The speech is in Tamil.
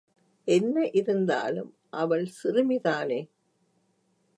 என்ன இருந்தாலும் அவள் சிறுமிதானே?